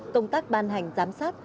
công tác ban hành giám sát